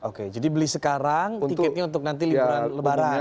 oke jadi beli sekarang tiketnya untuk nanti liburan lebaran ya